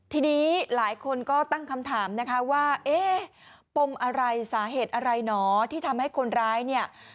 ทีนี้หลายคนก็ตั้งคำถามนะคะว่าเอ๊ะปมอะไรสาเหตุอะไรหนอที่ทำให้คนร้ายเนี่ย